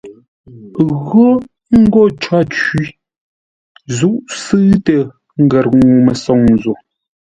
Gho ńgó cǒ cwí; zúʼ sʉ̂ʉtə ngər ŋuu-mə́soŋ zo.